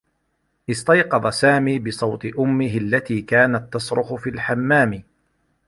استيقظ سامي بصوت أمّه التي كانت تصرخ في الحمّام.